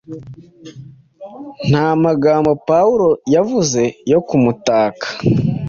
Nta magambo Pawulo yavuze yo kumutaka